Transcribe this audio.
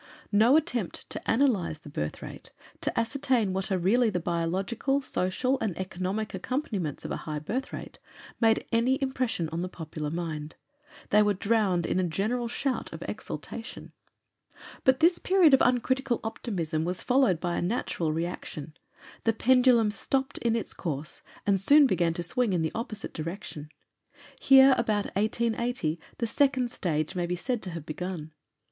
No attempt to analyze the birth rate, to ascertain what are really the biological, social, and economic accompaniments of a high birth rate, made any impression on the popular mind. They were drowned in a general shout of exultation." But this period of uncritical optimism was followed by a natural reaction. The pendulum stopped in its course, and soon began to swing in the opposite direction. Here, about 1880, the second stage may be said to have begun.